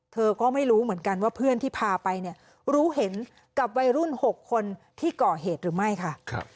เธอก็ไม่รู้เหมือนกันว่าเพื่อนที่พาไปเนี่ยรู้เห็นกับวัยรุ่น๖คนที่ก่อเหตุหรือไม่ค่ะ